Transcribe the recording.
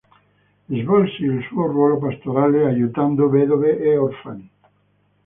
Svolse il suo ruolo pastorale aiutando vedove e orfani.